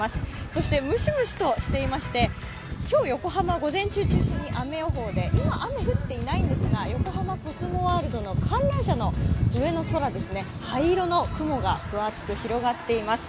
そして、ムシムシとしていまして、今日、横浜は午前中を中心に雨予報で今は雨が降っていないんですが横浜コスモワールドの観覧車の上の空灰色の雲が分厚く広がっています。